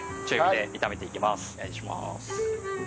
お願いします。